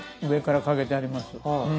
上からかけてあります。